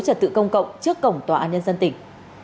trật tự công cộng trước cổng tòa án nhân dân tỉnh